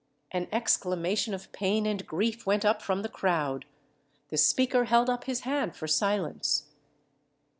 An exclamation of pain and grief went up from the crowd. The speaker held up his hand for silence.